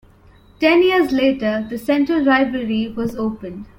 Ten years later, the Central Library was opened.